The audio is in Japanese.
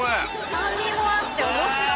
酸味もあって面白い。